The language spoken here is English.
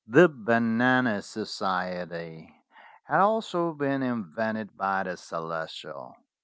The Banana Society had also been invented by the Celestial.